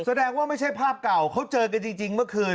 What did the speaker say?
แสดงว่าไม่ใช่ภาพเก่าเขาเจอกันจริงเมื่อคืน